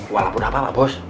walaupun apa pak bos